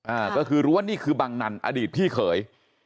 อ่าก็คือรู้ว่านี่คือบังนันอดีตพี่เขย